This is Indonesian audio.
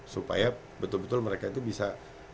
supaya betul betul mereka itu bisa